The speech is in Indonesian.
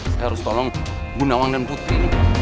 saya harus tolong bunawang dan putri